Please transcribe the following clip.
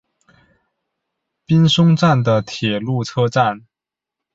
滨松站的铁路车站。